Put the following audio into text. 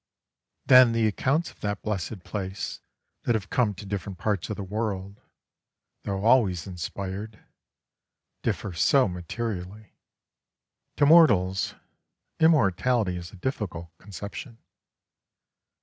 Then the accounts of that blessed place that have come to different parts of the world, though always inspired, differ so materially. To mortals, immortality is a difficult conception.